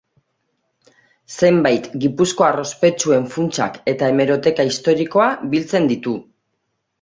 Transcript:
Zenbait gipuzkoar ospetsuen funtsak eta hemeroteka historikoa biltzen ditu.